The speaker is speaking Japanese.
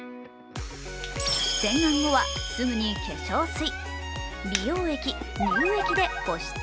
洗顔後はすぐに化粧水、美容液、乳液で保湿。